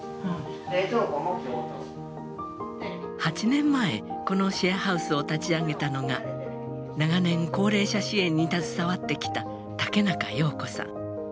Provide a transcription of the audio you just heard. ８年前このシェアハウスを立ち上げたのが長年高齢者支援に携わってきた竹中庸子さん。